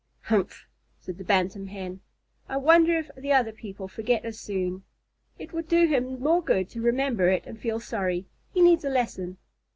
"Humph!" said the Bantam Hen. "I wonder if the other people forget as soon? It would do him more good to remember it and feel sorry. He needs a lesson."